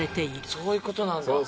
そういう事なんだ。